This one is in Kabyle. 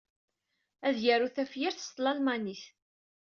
Ad yaru tafyirt s tlalmanit.